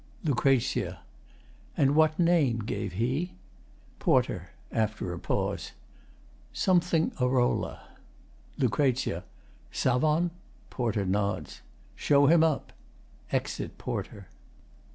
LUC. And what name gave he? PORTER [After a pause.] Something arola. LUC. Savon ? [PORTER nods.] Show him up. [Exit PORTER.